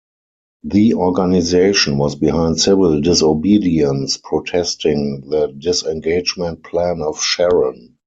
The organization was behind civil disobedience protesting the disengagement plan of Sharon.